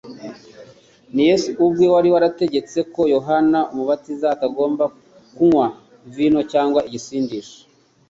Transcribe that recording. Ni Yesu ubwe wari warategetse ko Yohana Umubatiza atagombaga kunywa vino cyangwa igisindisha